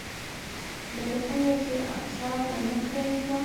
لکه څنګه چې ابشار ونه کړای شوه